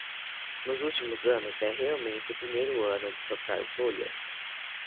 Nos últimos anos, é realmente o primeiro ano de soprar bolhas.